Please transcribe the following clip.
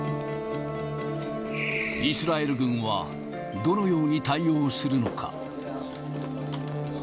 イスラエル軍は、どのように対応するのか。